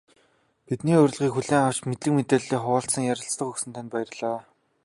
Бидний урилгыг хүлээн авч, мэдлэг мэдээллээ хуваалцан ярилцлага өгсөн танд баярлалаа.